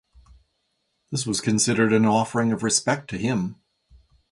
This was considered an offering of respect to him.